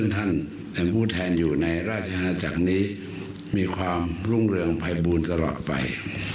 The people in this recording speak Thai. ท่านเป็นผู้แทนอยู่ในราชอาณาจักรนี้มีความรุ่งเรืองภัยบูลตลอดไป